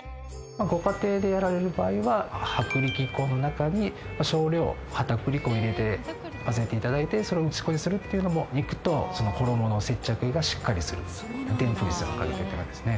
ご家庭でやられる場合は薄力粉の中に少量片栗粉を入れて混ぜて頂いてそれを打ち粉にするっていうのも肉と衣の接着がしっかりするでんぷん質のおかげでですね。